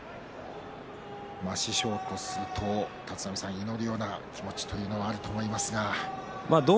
師匠とすると、立浪さん祈るような気持ちというのもあると思いますが。